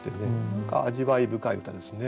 何か味わい深い歌ですね